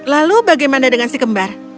lalu bagaimana dengan si kembar